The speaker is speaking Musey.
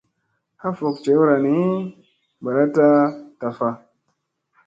Ha fok jewra ni balada taffa.